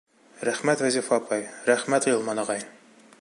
Рәхмәт, Вазифа апай, рәхмәт, Ғилман ағай!